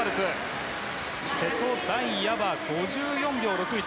瀬戸大也は５４．６１。